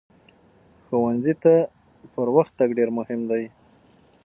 ښوونځي ته پر وخت تګ ډېر مهم دی.